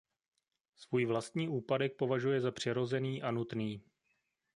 Svůj vlastní úpadek považuje za přirozený a nutný.